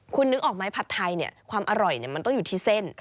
คุณนึกออกไหมผัดไทยความอร่อยมันต้องอยู่ที่เส้น